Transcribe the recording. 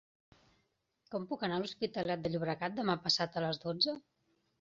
Com puc anar a l'Hospitalet de Llobregat demà passat a les dotze?